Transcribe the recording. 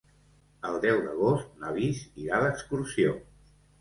El deu d'agost na Lis irà d'excursió.